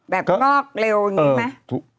งอกเร็วอย่างนี้ไหม